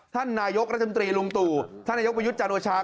ท่านนายกรัฐมนตรีลุงตู่ท่านนายกประยุทธ์จันโอชา